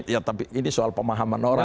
ya tapi ini soal pemahaman orang